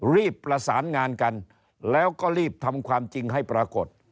รีบประสานงานกันแล้วก็รีบทำความจริงให้ปรากฏ